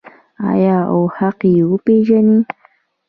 آیا او حق یې وپیژني؟